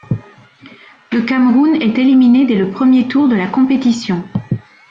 Le Cameroun est éliminé dès le premier tour de la compétition.